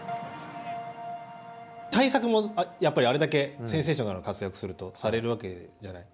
対策も、やっぱりあれだけセンセーショナルな活躍をするとされるわけじゃない。